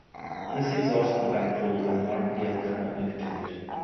This exhausts the bankroll and the martingale cannot be continued.